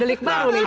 delik baru nih